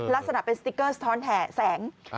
ลักษณะเป็นสติ๊กเกอร์สะท้อนแห่แสง